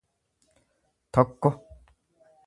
tokko